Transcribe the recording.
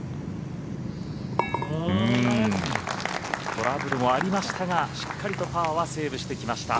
トラブルもありましたがしっかりとパーはセーブしてきました。